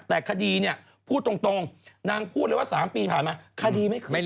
แต่คดีเนี่ยพูดตรงนางพูดเลยว่าสามปีผ่านมาคดีไม่เคลือบหน้าเลย